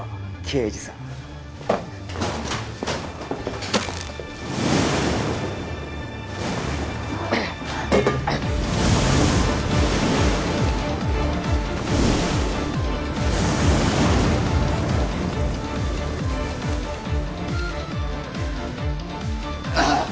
刑事さんあっ！